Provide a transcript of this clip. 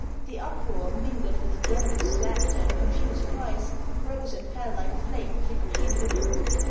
The uproar, mingled with groans, laughter, and confused cries, rose and fell like a flame flickering in the wind.